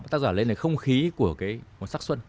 tác giả lên là không khí của một sắc xuân